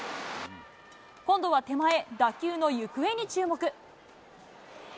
今度は手前、打球の行方に注目。